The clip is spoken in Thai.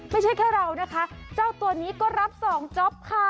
ไม่ใช่แค่เรานะคะเจ้าตัวนี้ก็รับสองจ๊อปค่ะ